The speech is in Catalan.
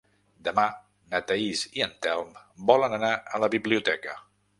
Demà na Thaís i en Telm volen anar a la biblioteca.